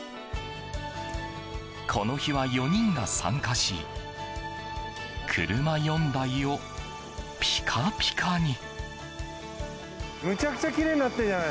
この日は４人が参加し車４台をピカピカに。